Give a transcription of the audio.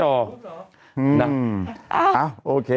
อะไรนะโอเค